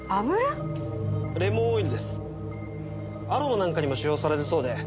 アロマなんかにも使用されるそうで。